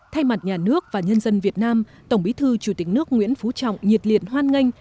thay mặt nhà nước và nhân dân việt nam tổng bí thư chủ tịch nước nguyễn phú trọng nhiệt liệt hoan nghênh